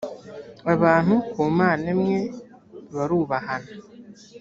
abantu ku mana imwe barubahana